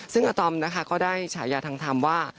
ซึ่งอาตอมนะคะก็ได้ฉายาทางธรรมว่า